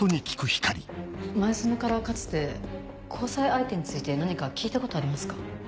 前薗からかつて交際相手について何か聞いたことありますか？